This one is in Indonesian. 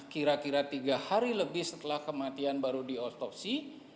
kira kira tiga hari lebih setelah kematian baru diotopsi